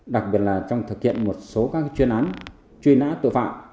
đặc biệt là trong thực hiện một số các chuyên án truy nã tội phạm